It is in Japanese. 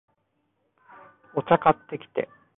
お茶、買ってきて